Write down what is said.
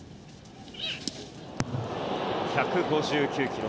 １５９キロ。